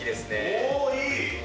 おお、いい。